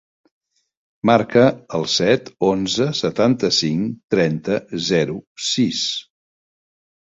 Marca el set, onze, setanta-cinc, trenta, zero, sis.